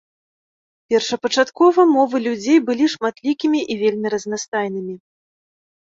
Першапачаткова, мовы людзей былі шматлікімі і вельмі разнастайнымі.